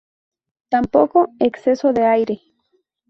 Tampoco, exceso de aire.